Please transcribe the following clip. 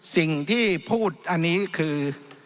สิ่งที่พูดอันนี้คือ